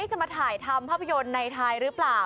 จะมาถ่ายทำภาพยนตร์ในไทยหรือเปล่า